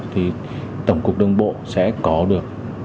thì tổng cục đường bộ sẽ có được